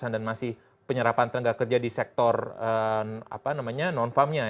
dan masih penyerapan tenaga kerja di sektor non farmnya